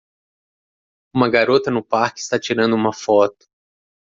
Uma garota no parque está tirando uma foto.